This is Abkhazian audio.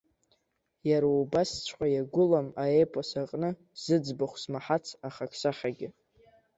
Иара убасҵәҟьа, иагәылам аепос аҟны зыӡбахә смаҳац ахаҿсахьагьы.